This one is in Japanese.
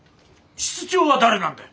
室長は誰なんだよ？